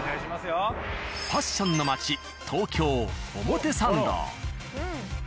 ファッションの街東京・表参道。